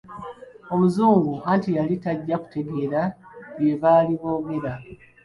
Omuzungu, anti yali tajja kutegeera bye baali boogera.